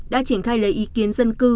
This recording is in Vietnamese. đã triển khai lấy ý kiến dân cư